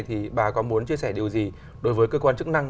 thì bà có muốn chia sẻ điều gì đối với cơ quan chức năng